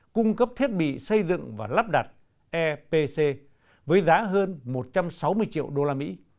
cung cấp thiết bị xây dựng và lắp đặt epc với giá hơn một trăm sáu mươi triệu đô la mỹ